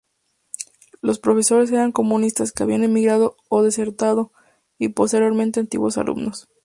Los profesores eran comunistas que habían emigrado o desertado, y posteriormente antiguos alumnos.